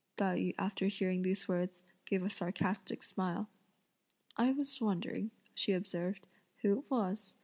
Tai yü after hearing these words, gave a sarcastic smile. "I was wondering," she observed, "who it was.